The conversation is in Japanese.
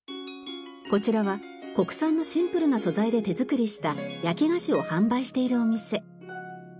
こちらは国産のシンプルな素材で手作りした焼き菓子を販売しているお店。